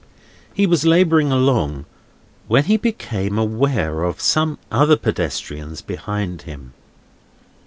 He was labouring along, when he became aware of some other pedestrians behind him.